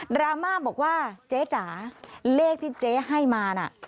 ราม่าบอกว่าเจ๊จ๋าเลขที่เจ๊ให้มาน่ะ